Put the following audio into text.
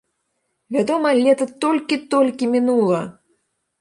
Вядома, лета толькі-толькі мінула!